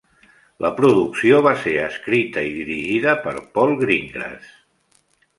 La producció va ser escrita i dirigida per Paul Greengrass.